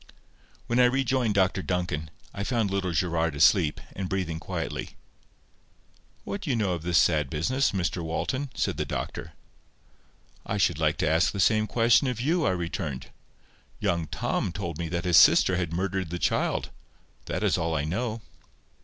When I rejoined Dr Duncan, I found little Gerard asleep, and breathing quietly. "What do you know of this sad business, Mr Walton?" said the doctor. "I should like to ask the same question of you," I returned. "Young Tom told me that his sister had murdered the child. That is all I know."